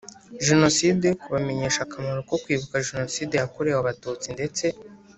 Jenoside kubamenyesha akamaro ko kwibuka jenoside yakorewe abatutsi ndetse